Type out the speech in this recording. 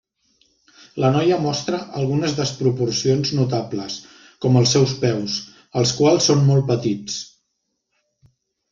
La noia mostra algunes desproporcions notables com els seus peus, els quals són molt petits.